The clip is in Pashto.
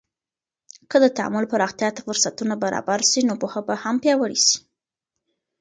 که د تعامل پراختیا ته فرصتونه برابر سي، نو پوهه به هم پیاوړې سي.